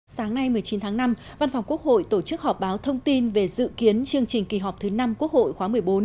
sáng nay một mươi chín tháng năm văn phòng quốc hội tổ chức họp báo thông tin về dự kiến chương trình kỳ họp thứ năm quốc hội khóa một mươi bốn